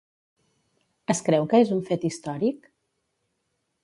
Es creu que és un fet històric?